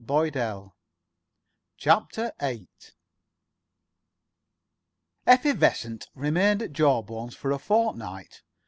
[Pg 55] CHAPTER VIII Effie Vessunt remained at Jawbones for a fortnight.